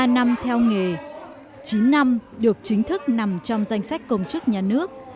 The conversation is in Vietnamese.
một mươi ba năm theo nghề chín năm được chính thức nằm trong danh sách công chức nhà nước